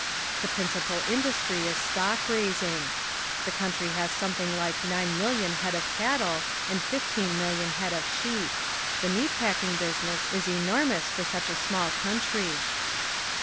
The principal industry is stock raising. The country has something like nine million head of cattle and fifteen million head of sheep. The meat packing business is enormous for such a small country.